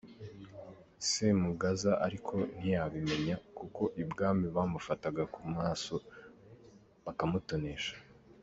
Semugaza ariko ntiyabimenya, kuko ibwami bamufataga ku maso bakamutonesha.